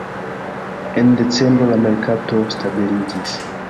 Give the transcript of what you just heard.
En decembro la merkato stabiliĝis.